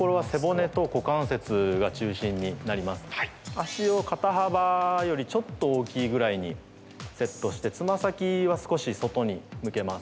足を肩幅よりちょっと大きいぐらいにセットしてつま先は、少し外に向けます。